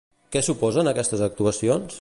Què suposen aquestes actuacions?